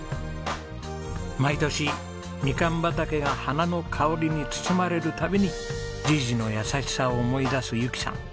毎年みかん畑が花の香りに包まれる度にじぃじの優しさを思い出すゆきさん。